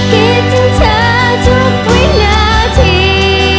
คิดถึงเธอทุกวินาที